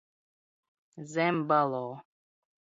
Zem balo